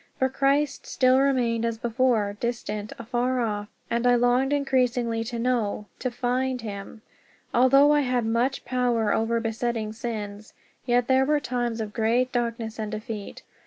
But Christ still remained, as before, distant, afar off, and I longed increasingly to know to find him. Although I had much more power over besetting sins, yet there were times of great darkness and defeat.